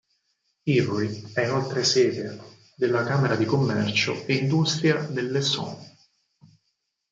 Évry è inoltre sede della Camera di commercio e industria dell'Essonne.